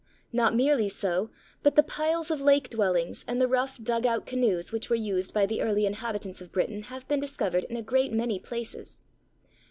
Not merely so, but the piles of lake dwellings and the rough dug out canoes which were used by the early inhabitants of Britain have been discovered in a great many places.